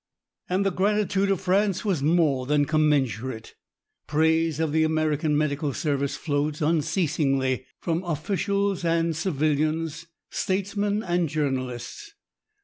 And the gratitude of France was more than commensurate. Praise of the American Medical Service flowed unceasingly from officials and civilians, statesmen and journalists.